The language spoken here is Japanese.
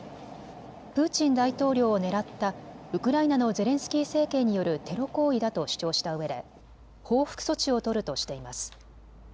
プーチン大統領を狙ったウクライナのゼレンスキー政権によるテロ行為だと主張したうえで報復措置を取るとしています。